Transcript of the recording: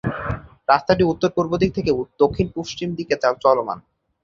রাস্তাটি উত্তর-পূর্বদিক থেকে দক্ষিণ-পশ্চিম দিকে চলমান।